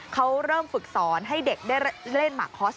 เขาเริ่มฝึกสอนให้เด็กได้เล่นหมากคอส